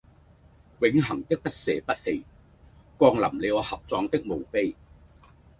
永恆的不捨不棄降臨你我合葬的墓碑